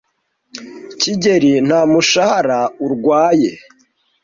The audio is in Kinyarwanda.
kigeli nta mushahara urwaye,